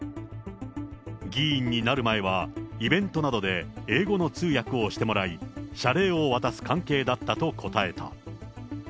議員になる前は、イベントなどで英語の通訳をしてもらい、謝礼を渡す関係だったと答えた。